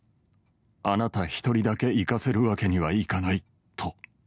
あなた１人だけいかせるわけにはいかないと。